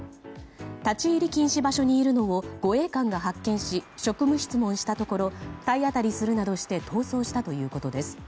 立ち入り禁止場所にいるのを護衛官が発見し職務質問したところ体当たりするなどして逃走したということです。